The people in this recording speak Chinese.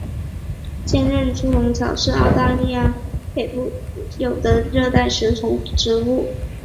坚韧猪笼草是澳大利亚昆士兰州北部特有的热带食虫植物。